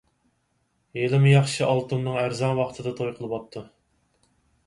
ھېلىمۇ ياخشى ئالتۇننىڭ ئەرزان ۋاقتىدا توي قىلىۋاپتۇ.